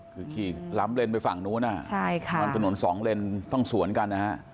คือขี่ล้ำเลนไปฝั่งนู้นถนนสองเลนต้องสวนกันนะฮะ